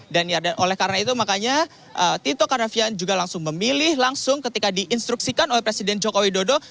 dan oleh karena itu makanya tito karnavian juga langsung memilih langsung ketika diinstruksikan oleh presiden jokowi dodo